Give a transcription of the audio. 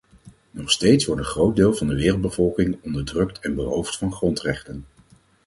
Nog steeds wordt een groot deel van de wereldbevolking onderdrukt en beroofd van grondrechten.